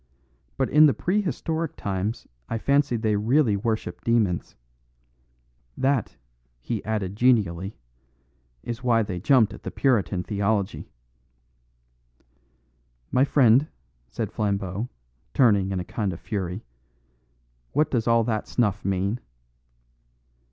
But in the prehistoric times I fancy they really worshipped demons. That," he added genially, "is why they jumped at the Puritan theology." "My friend," said Flambeau, turning in a kind of fury, "what does all that snuff mean?"